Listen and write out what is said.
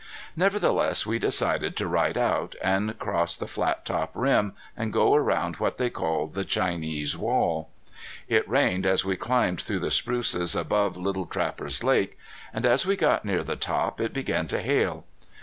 Nevertheless we decided to ride out, and cross the Flattop rim, and go around what they call the Chinese Wall. It rained as we climbed through the spruces above Little Trappers Lake. And as we got near the top it began to hail.